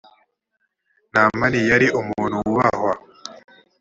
namani yari umuntu wubahwaga.